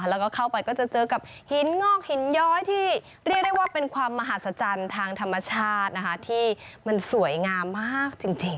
แล้วก็เข้าไปก็จะเจอกับหินงอกหินย้อยที่เรียกได้ว่าเป็นความมหาศจรรย์ทางธรรมชาตินะคะที่มันสวยงามมากจริง